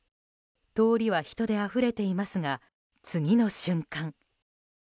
通りは人であふれていますが次の瞬間。